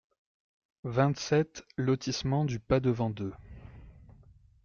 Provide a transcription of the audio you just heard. vingt-sept lotissement du Padevant deux